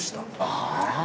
ああ。